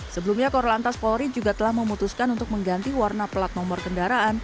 sebelumnya korlantas polri juga telah memutuskan untuk mengganti warna pelat nomor kendaraan